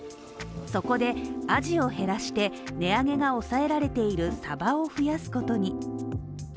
そこで、アジを減らして値上げが抑えられているサバを増やすことに。